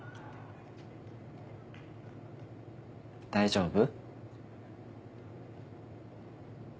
大丈夫？